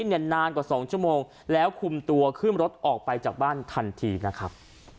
นานกว่า๒ชั่วโมงแล้วคุมตัวขึ้นรถออกไปจากบ้านทันทีนะครับ